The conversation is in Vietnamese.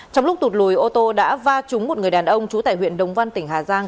trong lúc tụt lùi ô tô đã va trúng một người đàn ông trú tại huyện đồng văn tỉnh hà giang